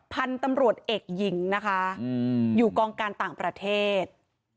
พันธุ์ตำรวจเอกหญิงนะคะอยู่กองการต่างประเทศ